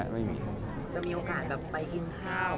จะมีโอกาสแบบไปกินข้าว